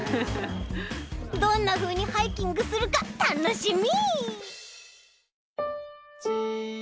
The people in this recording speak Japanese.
どんなふうにハイキングするかたのしみ！